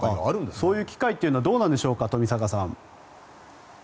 そういう機械というのはどうなんでしょうか。